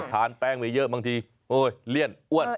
ทานแป้งไว้เยอะบางทีโอ๊ยเลี่ยนอ้วน